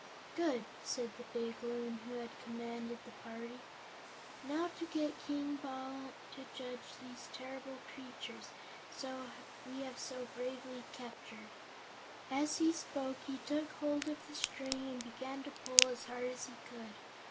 "Good!" said the big Loon who had commanded the party. "Now to get King Bal to judge these terrible creatures we have so bravely captured." As he spoke he took hold of the string and began to pull as hard as he could.